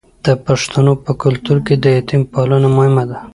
د پښتنو په کلتور کې د یتیم پالنه مهمه ده.